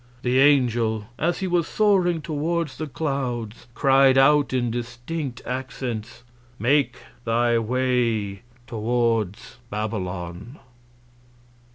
The Angel, as he was soaring towards the Clouds, cried out in distinct Accents; Make thy Way towards Babylon.